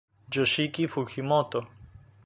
Yoshiki Fujimoto